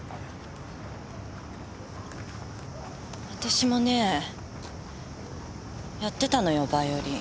私もねえやってたのよヴァイオリン。